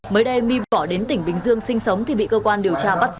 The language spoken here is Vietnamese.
mới đây my bỏ đến tỉnh bình dương sinh sống thì bị cơ quan điều tra bắt giữ